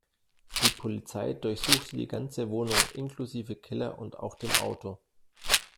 Die Polizei durchsuchte die ganze Wohnung inklusive Keller und auch dem Auto.